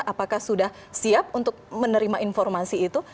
apakah sudah siap untuk menerima informasi itu